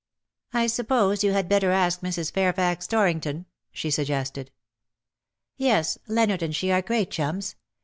" I suppose you had better ask Mrs. Fairfax Torrington/^ she suggested. " Yes, Leonard and she are great chums.